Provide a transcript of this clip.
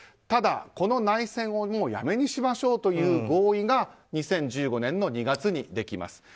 ただ、この内戦をもうやめにしましょうという合意が２０１５年２月にできます。